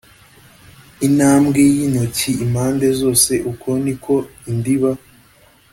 intambwe y intoki impande zose Uko ni ko indiba